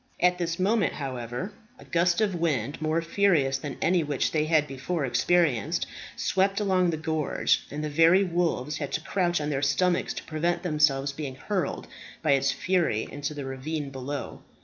At this moment, however, a gust of wind, more furious than any which they had before experienced, swept along the gorge, and the very wolves had to crouch on their stomachs to prevent themselves being hurled by its fury into the ravine below.